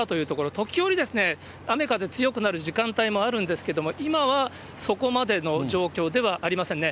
時折、雨風強くなる時間帯もあるんですけれども、今はそこまでの状況ではありませんね。